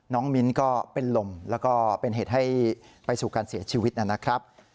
มิ้นก็เป็นลมแล้วก็เป็นเหตุให้ไปสู่การเสียชีวิตนะครับ